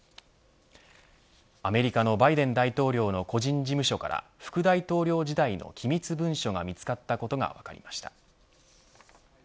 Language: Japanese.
アメリカのバイデン大統領の個人事務所から副大統領時代の機密文書が見つかったことが分かりました。